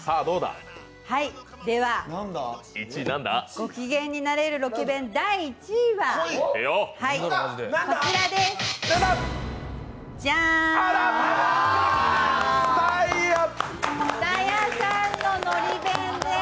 ごきげんになれるロケ弁第１位は、こちらです。